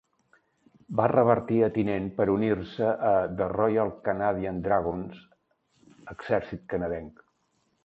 Va revertir a tinent per unir-se a The Royal Canadian Dragoons, Exèrcit Canadenc.